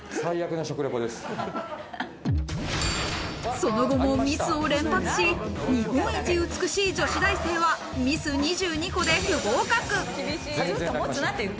その後もミスを連発し、日本一美しい女子大生はミス２２個で不合格。